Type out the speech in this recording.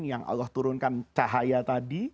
yang allah turunkan cahaya tadi